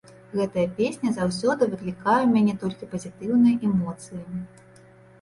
Гэтая песня заўсёды выклікае ў мяне толькі пазітыўныя эмоцыі.